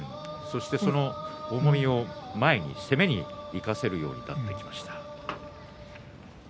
実況重みを前に攻めを生かせるようになってきました。